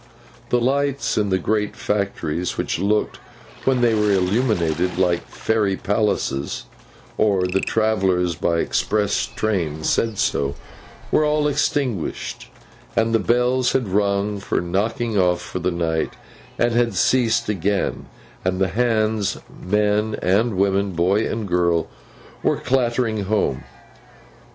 The lights in the great factories, which looked, when they were illuminated, like Fairy palaces—or the travellers by express train said so—were all extinguished; and the bells had rung for knocking off for the night, and had ceased again; and the Hands, men and women, boy and girl, were clattering home.